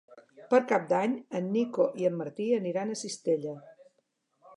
Per Cap d'Any en Nico i en Martí aniran a Cistella.